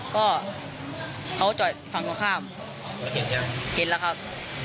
ก็เขาจอยฝั่งตัวข้ามเห็นแล้วครับ